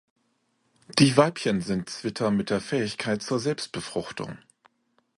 Die Weibchen sind Zwitter mit der Fähigkeit zur Selbstbefruchtung.